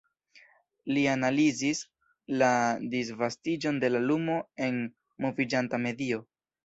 Li analizis la disvastiĝon de la lumo en moviĝanta medio.